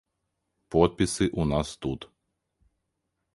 Подпісы ў нас тут.